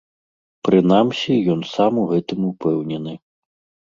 Прынамсі, ён сам у гэтым упэўнены.